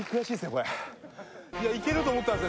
これいやいけると思ったんです